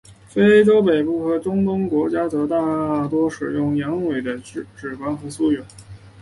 非洲北部和中东国家则大多使用羊尾的脂肪和酥油。